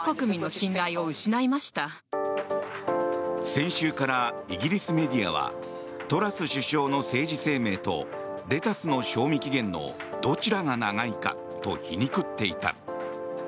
先週からイギリスメディアはトラス首相の政治生命とレタスの賞味期限のどちらが長いかと皮肉っていた。